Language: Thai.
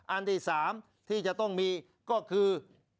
อันที่๓ที่จะต้องมีก็คือ